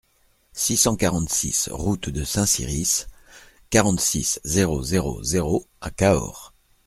six cent quarante-six route de Saint-Cirice, quarante-six, zéro zéro zéro à Cahors